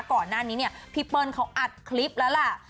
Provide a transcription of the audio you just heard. ก่อนหน้านี้เนี่ยพี่เปิ้ลเขาอัดคลิปแล้วล่ะ